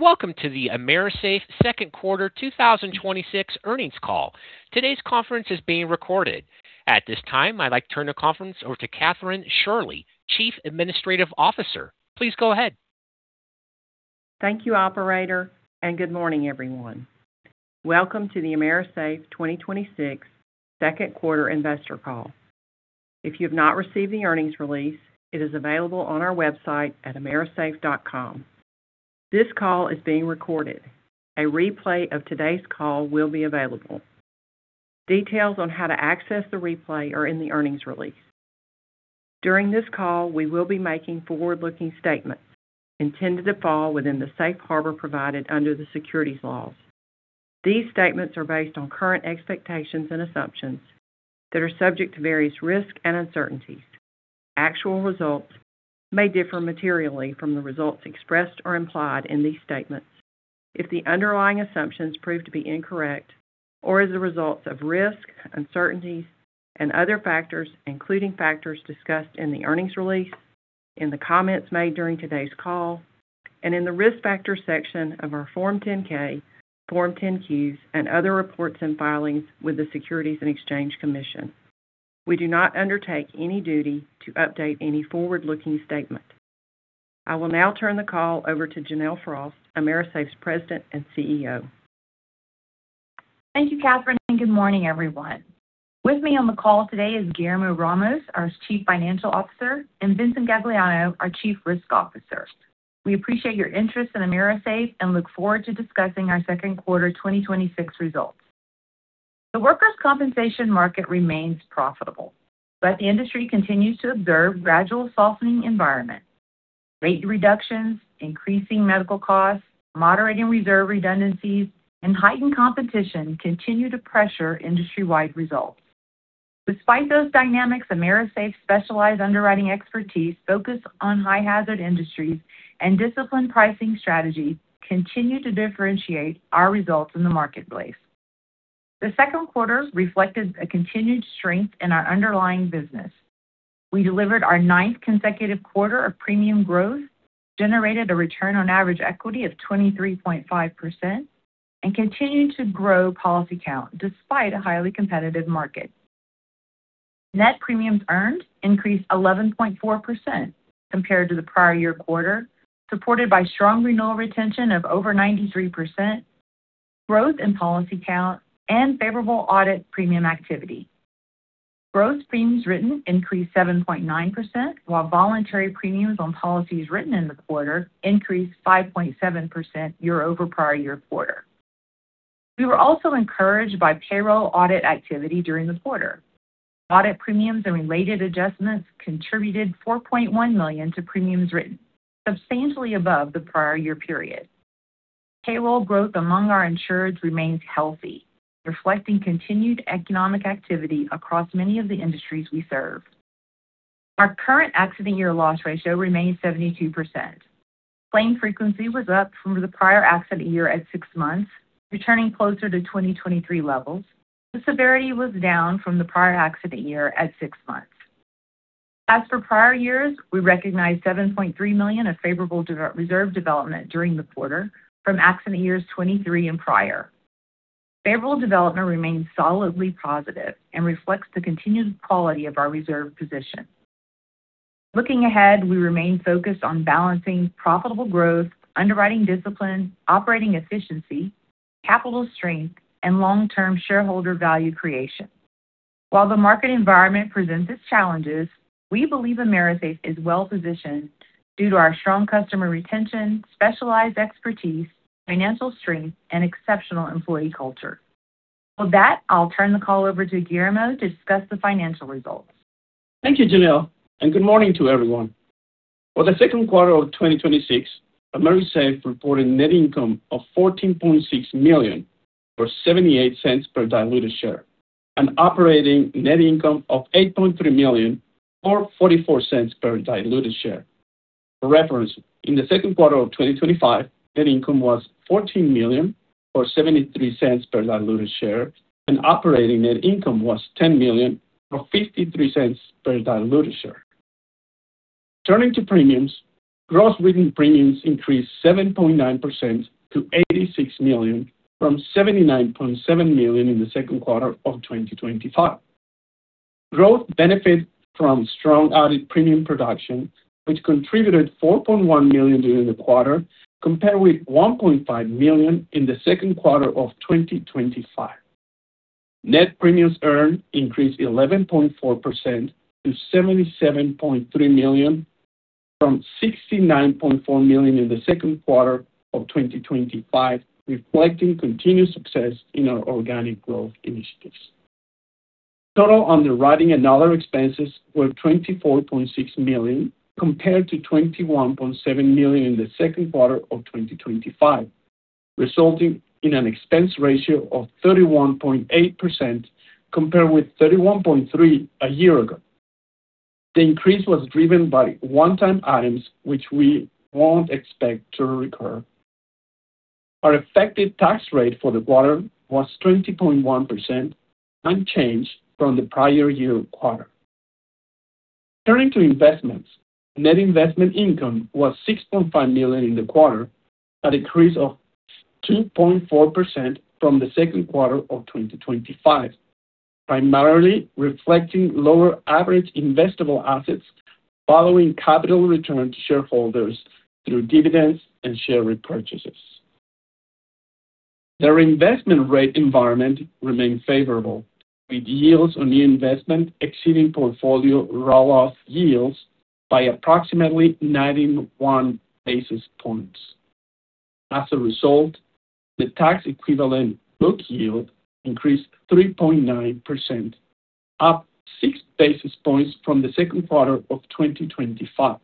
Welcome to the AMERISAFE second quarter 2026 earnings call. Today's conference is being recorded. At this time, I'd like to turn the conference over to Kathryn Shirley, Chief Administrative Officer. Please go ahead. Thank you, operator. Good morning, everyone. Welcome to the AMERISAFE 2026 second quarter investor call. If you have not received the earnings release, it is available on our website at amerisafe.com. This call is being recorded. A replay of today's call will be available. Details on how to access the replay are in the earnings release. During this call, we will be making forward-looking statements intended to fall within the safe harbor provided under the securities laws. These statements are based on current expectations and assumptions that are subject to various risks and uncertainties. Actual results may differ materially from the results expressed or implied in these statements. If the underlying assumptions prove to be incorrect or as a result of risks, uncertainties, and other factors, including factors discussed in the earnings release, in the comments made during today's call, and in the Risk Factors section of our Form 10-K, Form 10-Qs, and other reports and filings with the Securities and Exchange Commission. We do not undertake any duty to update any forward-looking statement. I will now turn the call over to Janelle Frost, AMERISAFE's President and CEO. Thank you, Kathryn. Good morning, everyone. With me on the call today is Guillermo Ramos, our Chief Financial Officer, and Vincent Gagliano, our Chief Risk Officer. We appreciate your interest in AMERISAFE and look forward to discussing our second quarter 2026 results. The workers' compensation market remains profitable, but the industry continues to observe gradual softening environment. Rate reductions, increasing medical costs, moderating reserve redundancies, and heightened competition continue to pressure industry-wide results. Despite those dynamics, AMERISAFE's specialized underwriting expertise focus on high hazard industries and disciplined pricing strategies continue to differentiate our results in the marketplace. The second quarter reflected a continued strength in our underlying business. We delivered our ninth consecutive quarter of premium growth, generated a return on average equity of 23.5%, and continued to grow policy count despite a highly competitive market. Net premiums earned increased 11.4% compared to the prior year quarter, supported by strong renewal retention of over 93%, growth in policy count, and favorable audit premium activity. Gross premiums written increased 7.9%, while voluntary premiums on policies written in the quarter increased 5.7% year over prior year quarter. We were also encouraged by payroll audit activity during the quarter. Audit premiums and related adjustments contributed $4.1 million to premiums written, substantially above the prior year period. Payroll growth among our insureds remains healthy, reflecting continued economic activity across many of the industries we serve. Our current accident year loss ratio remains 72%. Claim frequency was up from the prior accident year at six months, returning closer to 2023 levels. The severity was down from the prior accident year at six months. As for prior years, we recognized $7.3 million of favorable reserve development during the quarter from accident years 2023 and prior. Favorable development remains solidly positive and reflects the continued quality of our reserve position. Looking ahead, we remain focused on balancing profitable growth, underwriting discipline, operating efficiency, capital strength, and long-term shareholder value creation. While the market environment presents its challenges, we believe AMERISAFE is well-positioned due to our strong customer retention, specialized expertise, financial strength, and exceptional employee culture. With that, I'll turn the call over to Guillermo to discuss the financial results. Thank you, Janelle, and good morning to everyone. For the second quarter of 2026, AMERISAFE reported net income of $14.6 million, or $0.78 per diluted share, and operating net income of $8.3 million, or $0.44 per diluted share. For reference, in the second quarter of 2025, net income was $14 million, or $0.73 per diluted share, and operating net income was $10 million, or $0.53 per diluted share. Turning to premiums, gross written premiums increased 7.9% to $86 million from $79.7 million in the second quarter of 2025. Growth benefited from strong audit premium production, which contributed $4.1 million during the quarter, compared with $1.5 million in the second quarter of 2025. Net premiums earned increased 11.4% to $77.3 million from $69.4 million in the second quarter of 2025, reflecting continued success in our organic growth initiatives. Total underwriting and other expenses were $24.6 million compared to $21.7 million in the second quarter of 2025, resulting in an expense ratio of 31.8% compared with 31.3% a year ago. The increase was driven by one-time items, which we won't expect to recur. Our effective tax rate for the quarter was 20.1%, unchanged from the prior year quarter. Turning to investments, net investment income was $6.5 million in the quarter, a decrease of 2.4% from the second quarter of 2025, primarily reflecting lower average investable assets following capital return to shareholders through dividends and share repurchases. Their investment rate environment remained favorable, with yields on new investment exceeding portfolio roll-off yields by approximately 91 basis points. As a result, the tax equivalent book yield increased 3.9%, up six basis points from the second quarter of 2025.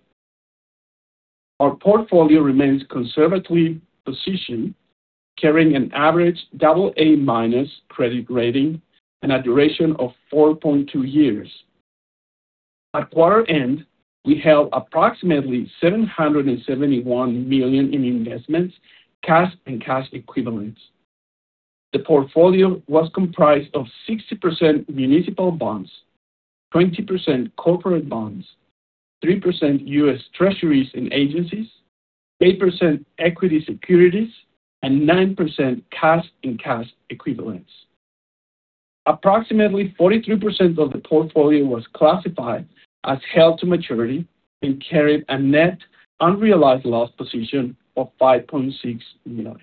Our portfolio remains conservatively positioned, carrying an average AA- credit rating and a duration of 4.2 years. At quarter end, we held approximately $771 million in investments, cash, and cash equivalents. The portfolio was comprised of 60% municipal bonds, 20% corporate bonds, 3% U.S. Treasuries and agencies, 8% equity securities, and 9% cash and cash equivalents. Approximately 43% of the portfolio was classified as held to maturity and carried a net unrealized loss position of $5.6 million.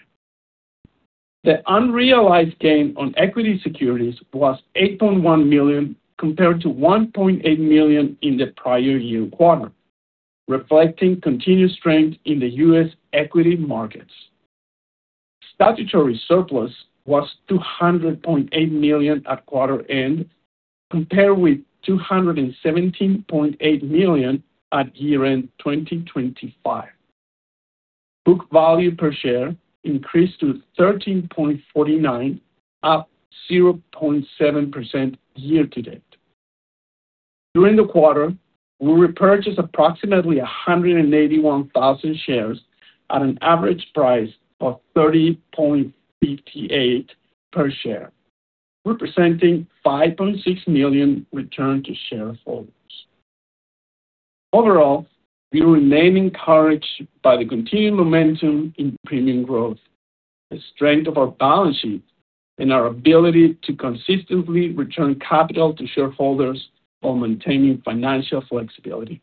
The unrealized gain on equity securities was $8.1 million, compared to $1.8 million in the prior year quarter, reflecting continued strength in the U.S. equity markets. Statutory surplus was $200.8 million at quarter end, compared with $217.8 million at year-end 2025. Book value per share increased to 13.49, up 0.7% year to date. During the quarter, we repurchased approximately 181,000 shares at an average price of $30.58 per share, representing $5.6 million return to shareholders. Overall, we remain encouraged by the continued momentum in premium growth, the strength of our balance sheet, and our ability to consistently return capital to shareholders while maintaining financial flexibility.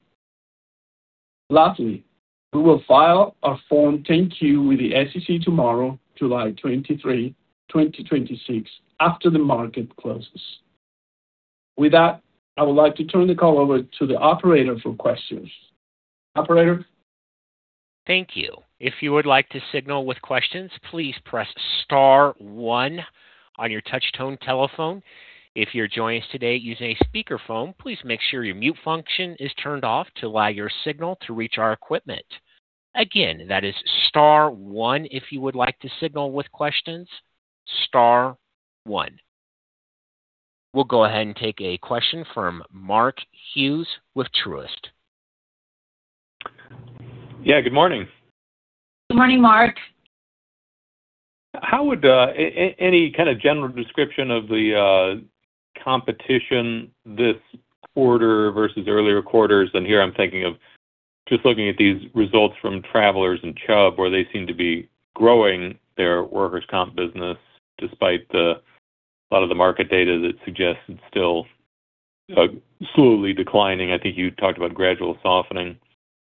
Lastly, we will file our Form 10-Q with the SEC tomorrow, July 23, 2026, after the market closes. With that, I would like to turn the call over to the operator for questions. Operator? Thank you. If you would like to signal with questions, please press star one on your touch-tone telephone. If you are joining us today using a speakerphone, please make sure your mute function is turned off to allow your signal to reach our equipment. Again, that is star one if you would like to signal with questions, star one. We will go ahead and take a question from Mark Hughes with Truist. Yeah, good morning. Good morning, Mark. How would any kind of general description of the competition this quarter versus earlier quarters, and here I'm thinking of just looking at these results from Travelers and Chubb, where they seem to be growing their workers' comp business, despite a lot of the market data that suggests it's still slowly declining. I think you talked about gradual softening.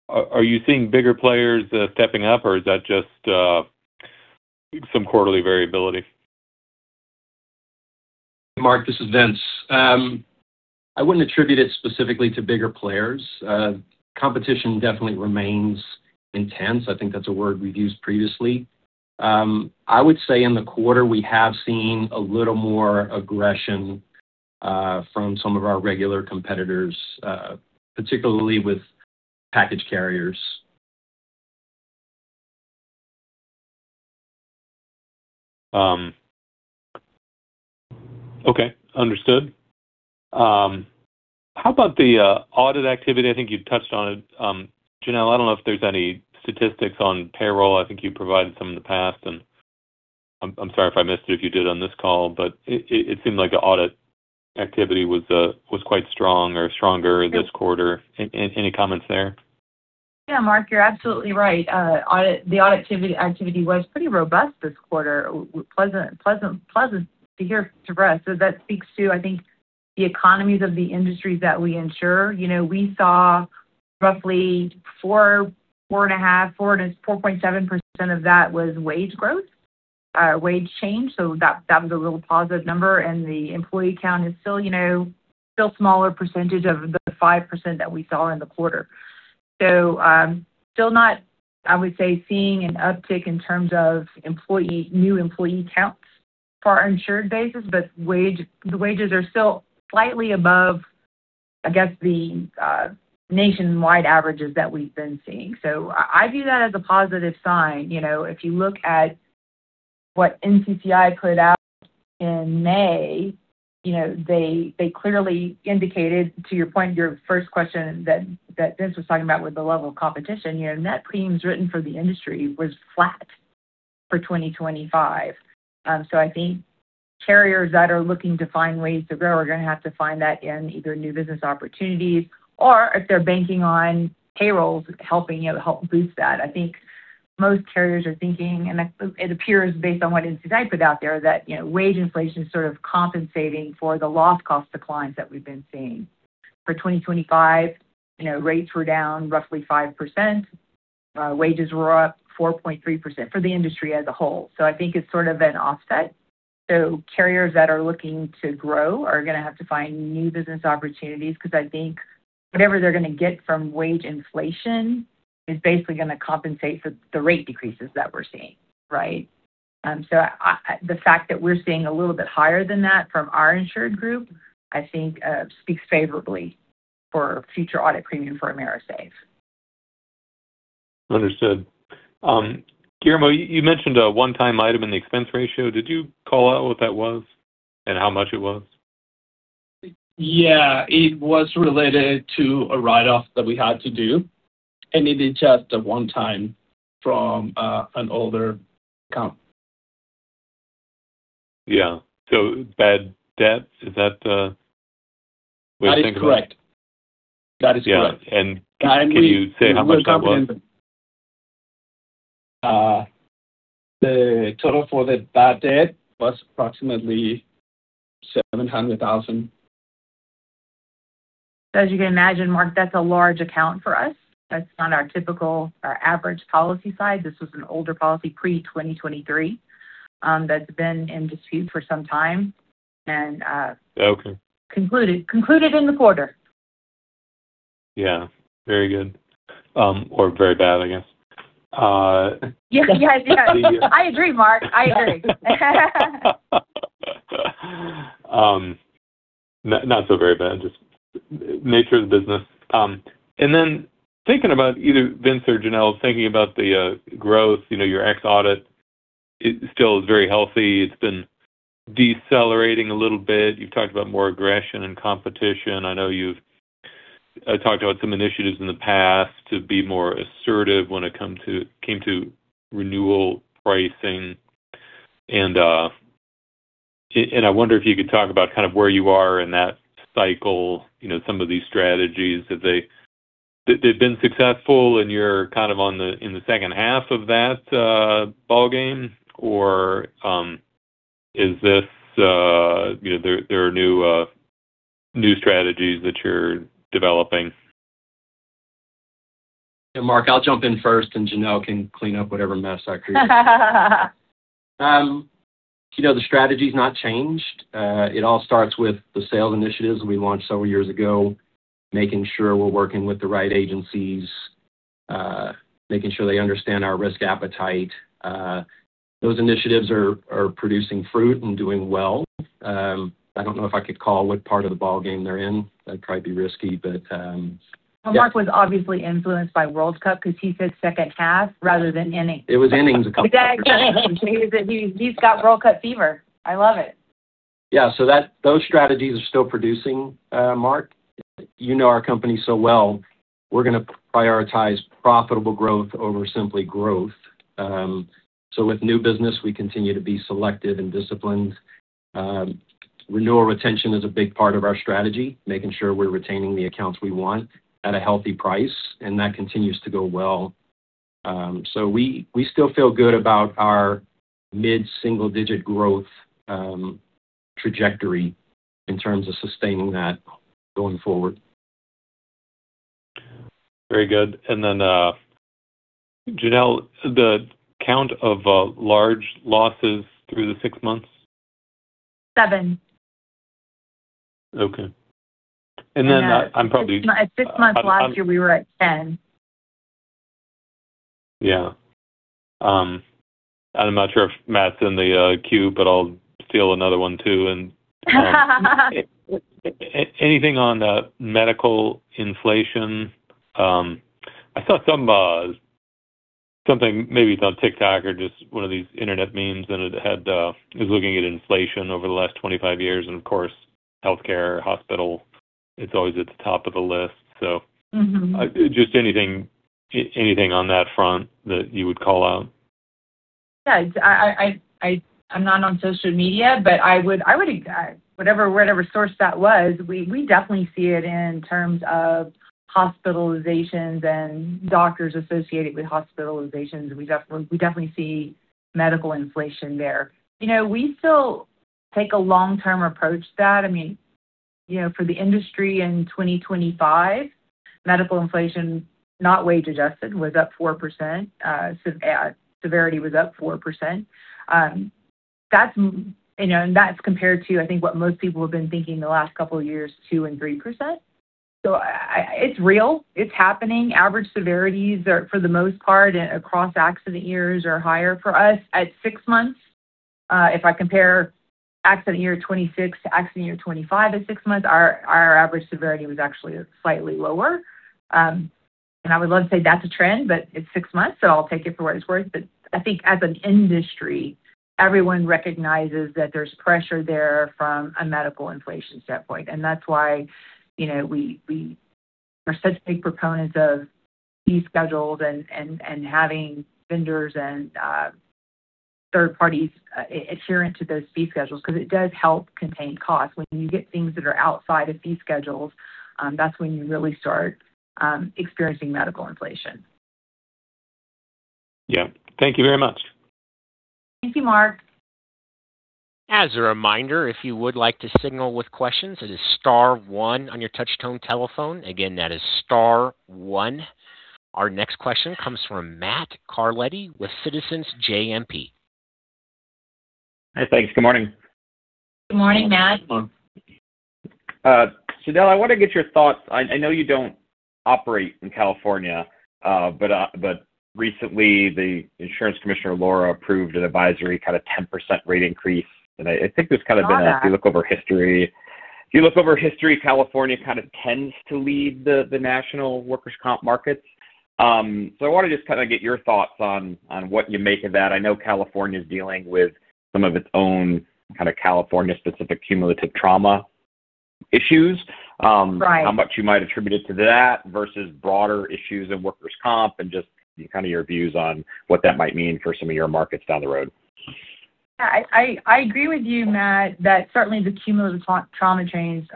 Are you seeing bigger players stepping up, or is that just some quarterly variability? Mark, this is Vince. I wouldn't attribute it specifically to bigger players. Competition definitely remains intense. I think that's a word we've used previously. I would say in the quarter, we have seen a little more aggression from some of our regular competitors, particularly with package carriers. Okay. Understood. How about the audit activity? I think you've touched on it. Janelle, I don't know if there's any statistics on payroll. I think you provided some in the past, and I'm sorry if I missed it if you did on this call, but it seemed like the audit activity was quite strong or stronger this quarter. Any comments there? Mark, you're absolutely right. The audit activity was pretty robust this quarter. Pleasant to hear for us. That speaks to, I think, the economies of the industries that we insure. We saw roughly 4.5%-4.7% of that was wage growth, wage change, that was a real positive number, the employee count is still smaller percentage of the 5% that we saw in the quarter. Still not, I would say, seeing an uptick in terms of new employee counts for our insured bases, but the wages are still slightly above, I guess, the nationwide averages that we've been seeing. I view that as a positive sign. If you look at what NCCI put out in May, they clearly indicated to your point, your first question that Vince was talking about with the level of competition, net premiums written for the industry was flat for 2025. I think carriers that are looking to find ways to grow are going to have to find that in either new business opportunities or if they're banking on payrolls helping you, help boost that. I think most carriers are thinking, and it appears based on what NCCI put out there, that wage inflation is sort of compensating for the loss cost declines that we've been seeing. For 2025, rates were down roughly 5%. Wages were up 4.3% for the industry as a whole. I think it's sort of an offset. Carriers that are looking to grow are going to have to find new business opportunities, because I think whatever they're going to get from wage inflation is basically going to compensate for the rate decreases that we're seeing, right? The fact that we're seeing a little bit higher than that from our insured group, I think, speaks favorably for future audit premium for AMERISAFE. Understood. Guillermo, you mentioned a one-time item in the expense ratio. Did you call out what that was and how much it was? Yeah. It was related to a write-off that we had to do, and it is just a one-time from an older account. Yeah. Bad debt, is that the way to think about it? That is correct. Yeah. Can you say how much that was? The total for the bad debt was approximately $700,000. As you can imagine, Mark, that's a large account for us. That's not our typical, our average policy size. This was an older policy pre-2023, that's been in dispute for some time. Okay. Concluded in the quarter. Yeah. Very good. Very bad, I guess. Yes. I agree, Mark. I agree. Not so very bad, just nature of the business. Thinking about either Vince or Janelle, thinking about the growth, your ex audit, it still is very healthy. It's been decelerating a little bit. You've talked about more aggression and competition. I know you've talked about some initiatives in the past to be more assertive when it came to renewal pricing. I wonder if you could talk about kind of where you are in that cycle, some of these strategies. Have they been successful and you're kind of in the second half of that ballgame? Or there are new strategies that you're developing? Mark, I'll jump in first, Janelle can clean up whatever mess I create. The strategy's not changed. It all starts with the sales initiatives we launched several years ago, making sure we're working with the right agencies, making sure they understand our risk appetite. Those initiatives are producing fruit and doing well. I don't know if I could call what part of the ballgame they're in. That'd probably be risky. Mark was obviously influenced by World Cup because he said second half rather than inning. It was innings a couple years ago. Exactly. He's got World Cup fever. I love it. Yeah. Those strategies are still producing, Mark. You know our company so well. We're going to prioritize profitable growth over simply growth. With new business, we continue to be selective and disciplined. Renewal retention is a big part of our strategy, making sure we're retaining the accounts we want at a healthy price, and that continues to go well. We still feel good about our mid-single-digit growth trajectory in terms of sustaining that going forward. Very good. Janelle, the count of large losses through the six months? Seven. Okay. At this month last year, we were at 10. Yeah. I'm not sure if Matt's in the queue, but I'll steal another one too. Anything on medical inflation? I saw something, maybe it's on TikTok or just one of these Internet memes, and it was looking at inflation over the last 25 years, and of course, healthcare, hospital, it's always at the top of the list. Just anything on that front that you would call out? Yeah. I'm not on social media, but whatever source that was, we definitely see it in terms of hospitalizations and doctors associated with hospitalizations. We definitely see medical inflation there. We still take a long-term approach to that. For the industry in 2025, medical inflation, not wage-adjusted, was up 4%. Severity was up 4%. That's compared to, I think, what most people have been thinking the last couple of years, 2% and 3%. It's real. It's happening. Average severities are, for the most part, across accident years, are higher for us at six months. If I compare accident year 2026 to accident year 2025 at six months, our average severity was actually slightly lower. I would love to say that's a trend, but it's six months, I'll take it for what it's worth. I think as an industry, everyone recognizes that there's pressure there from a medical inflation standpoint, and that's why we're such big proponents of fee schedules and having vendors and third parties adherent to those fee schedules because it does help contain costs. When you get things that are outside of fee schedules, that's when you really start experiencing medical inflation. Yeah. Thank you very much. Thank you, Mark. As a reminder, if you would like to signal with questions, it is star one on your touchtone telephone. Again, that is star one. Our next question comes from Matt Carletti with Citizens JMP. Hi, thanks. Good morning. Good morning, Matt. Janelle, I want to get your thoughts. I know you don't operate in California, recently, the insurance commissioner, Lara, approved an advisory kind of 10% rate increase. Got it. I think if you look over history, California kind of tends to lead the national workers' comp markets. I want to just kind of get your thoughts on what you make of that. I know California's dealing with some of its own kind of California-specific cumulative trauma issues. Right. How much you might attribute it to that versus broader issues in workers' comp and just kind of your views on what that might mean for some of your markets down the road. I agree with you, Matt, that certainly the cumulative trauma chains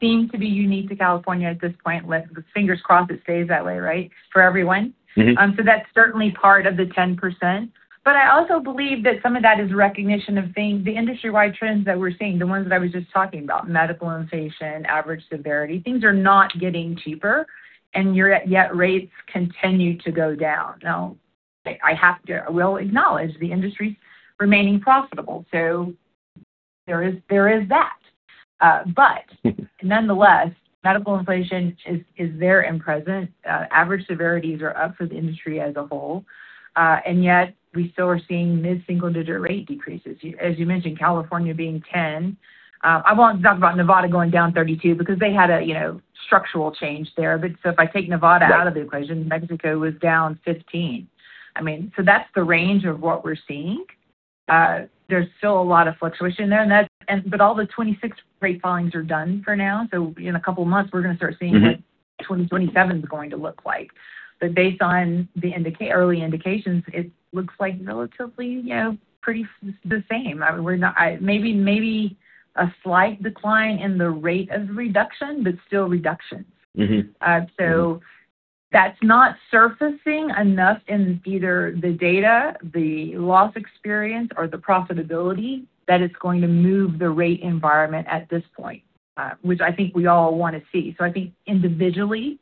seem to be unique to California at this point with, fingers crossed it stays that way, right, for everyone. That's certainly part of the 10%. I also believe that some of that is recognition of things, the industry-wide trends that we're seeing, the ones that I was just talking about, medical inflation, average severity. Things are not getting cheaper, yet rates continue to go down. Now, I will acknowledge the industry's remaining profitable, so there is that. Nonetheless, medical inflation is there and present. Average severities are up for the industry as a whole. Yet we still are seeing mid-single-digit rate decreases. As you mentioned, California being 10. I won't talk about Nevada going down 32% because they had a structural change there. If I take Nevada out of the equation, New Mexico was down 15%. That's the range of what we're seeing. There's still a lot of fluctuation there. All the 26 rate filings are done for now. In a couple of months, we're going to start seeing. What 2027's going to look like. Based on the early indications, it looks like relatively pretty the same. Maybe a slight decline in the rate of reduction, but still reduction. That's not surfacing enough in either the data, the loss experience, or the profitability that it's going to move the rate environment at this point, which I think we all want to see. I think individually,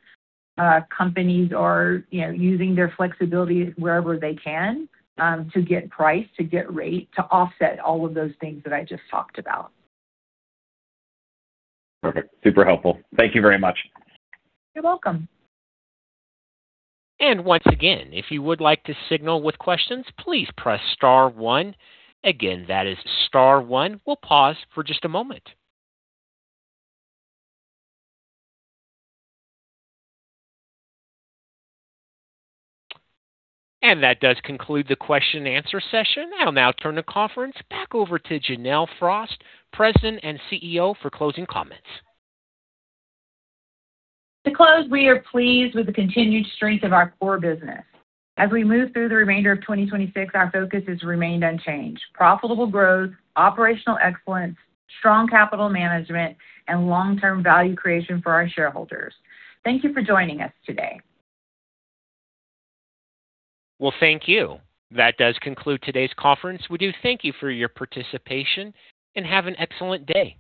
companies are using their flexibility wherever they can to get price, to get rate, to offset all of those things that I just talked about. Perfect. Super helpful. Thank you very much. You're welcome. Once again, if you would like to signal with questions, please press star one. Again, that is star one. We'll pause for just a moment. That does conclude the question and answer session. I'll now turn the conference back over to Janelle Frost, President and CEO, for closing comments. To close, we are pleased with the continued strength of our core business. As we move through the remainder of 2026, our focus has remained unchanged: profitable growth, operational excellence, strong capital management, and long-term value creation for our shareholders. Thank you for joining us today. Well, thank you. That does conclude today's conference. We do thank you for your participation, and have an excellent day.